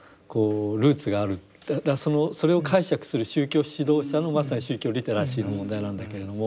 それを解釈する宗教指導者のまさに宗教リテラシーの問題なんだけれども。